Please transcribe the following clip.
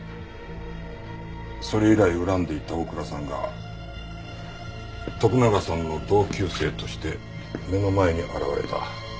それ以来恨んでいた大倉さんが徳永さんの同級生として目の前に現れた。